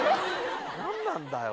何なんだよ。